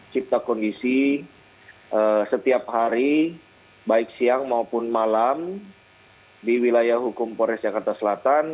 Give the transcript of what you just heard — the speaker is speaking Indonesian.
cipta kondisi setiap hari baik siang maupun malam di wilayah hukum polres jakarta selatan